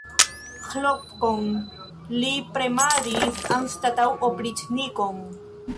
Ĥlopkon li premadis anstataŭ opriĉnikon!